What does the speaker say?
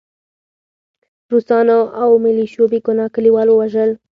روسانو او ملیشو بې ګناه کلیوال ووژل